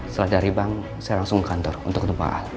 setelah dari bank saya langsung ke kantor untuk ketemu pak al